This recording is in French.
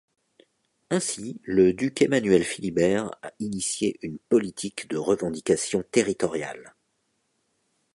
Ainsi, le duc Emmanuel Philibert a initié une politique de revendications territoriales.